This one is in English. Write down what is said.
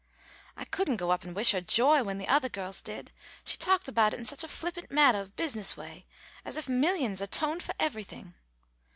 I couldn't go up and wish her joy when the othah girls did. She talked about it in such a flippant mattah of business way, as if millions atoned for everything.